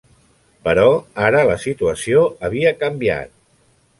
Però ara la situació havia canviat.